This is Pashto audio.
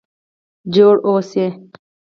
جوړ اوسئ؟